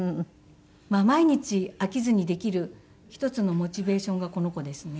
毎日飽きずにできる一つのモチベーションがこの子ですね。